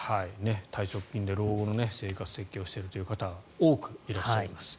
退職金で老後の生活設計をしているという方多くいます。